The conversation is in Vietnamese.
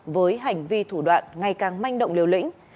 với hành vi thủ đoạn ngày càng manh động liều lĩnh